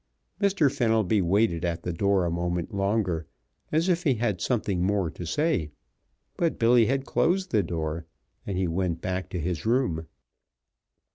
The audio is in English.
Mr. Fenelby waited at the door a moment longer as if he had something more to say, but Billy had closed the door, and he went back to his room.